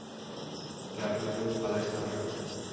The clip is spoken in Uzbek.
— Gapni ko‘p qalashtirma